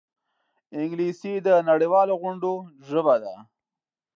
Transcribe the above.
انګلیسي د نړيوالو غونډو ژبه ده